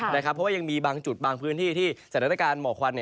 เพราะว่ายังมีบางจุดบางพื้นที่ที่สถานการณ์หมอกควัน